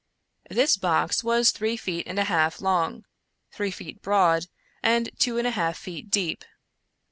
This box was three feet and a half long, three feet broad, and two and a half feet deep.